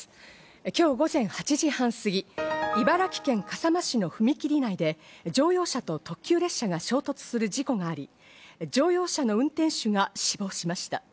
今日午前８時半過ぎ、茨城県笠間市の踏み切り内で乗用車と特急列車が衝突する事故があり、乗用車の運転手が死亡しました。